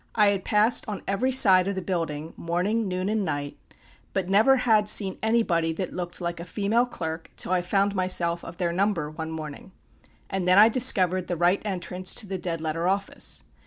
I had passed on every side of the building morning, noon, and night but never had seen anybody that looked like a "female clerk," till I found myself of their number, one morning; and then I discovered the right entrance to the Dead Letter Office.